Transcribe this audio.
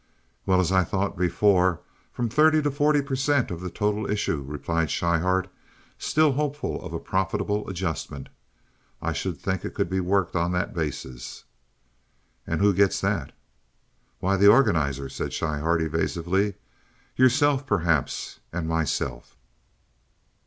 "Well, as I thought before, from thirty to forty per cent. of the total issue," replied Schryhart, still hopeful of a profitable adjustment. "I should think it could be worked on that basis." "And who gets that?" "Why, the organizer," said Schryhart, evasively. "Yourself, perhaps, and myself."